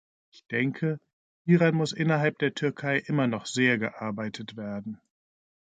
Ich denke, hieran muss innerhalb der Türkei immer noch sehr gearbeitet werden.